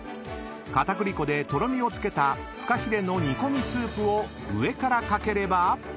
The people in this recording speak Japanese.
［片栗粉でとろみをつけたフカヒレの煮込みスープを上から掛ければ］